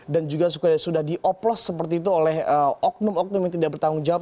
dan juga sudah dioplos seperti itu oleh oknum oknum yang tidak bertanggung jawab